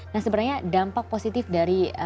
nah sebenarnya dampak positif dari